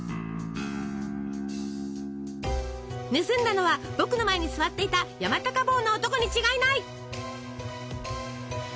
「盗んだのは僕の前に座っていた山高帽の男に違いない！」。